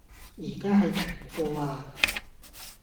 而家係停課呀